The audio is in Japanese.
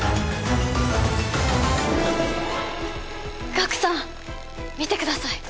ガクさん見てください